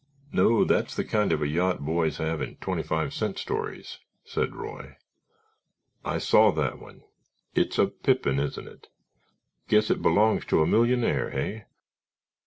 "No, that's the kind of a yacht boys have in twenty five cent stories," said Roy; "I saw that one; it's a pippin, isn't it? Guess it belongs to a millionaire, hey?